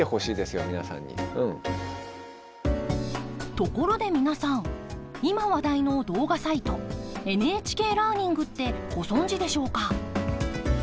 ところで皆さん今話題の動画サイトＮＨＫラーニングってご存じでしょうか？